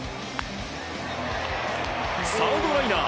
サードライナー。